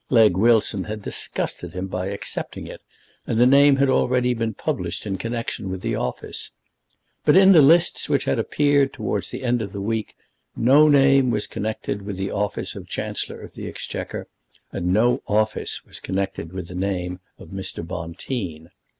Legge Wilson had disgusted him by accepting it, and the name had already been published in connection with the office. But in the lists which had appeared towards the end of the week, no name was connected with the office of Chancellor of the Exchequer, and no office was connected with the name of Mr. Bonteen.